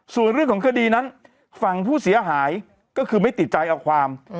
ส่วนเรื่องของคดีนั้นฝั่งผู้เสียหายก็คือไม่ติดใจเอาความ